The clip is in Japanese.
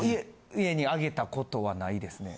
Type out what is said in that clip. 家にあげたことはないですね。